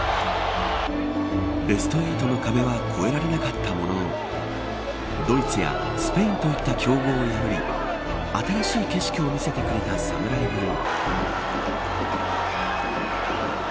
ベスト８の壁は越えられなかったもののドイツがスペインといった強豪を破り新しい景色を見せてくれたサムライブルー。